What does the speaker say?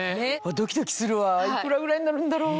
ドキドキするわ幾らぐらいになるんだろう？